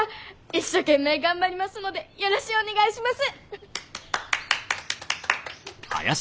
一生懸命頑張りますのでよろしゅうお願いします！